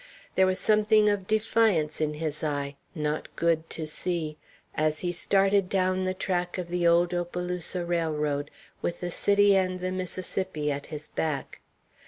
There was something of defiance in his eye, not good to see, as he started down the track of the old Opelousas Railroad, with the city and the Mississippi at his back.